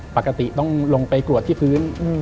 ปกติต้องลงไปกรวดที่พื้น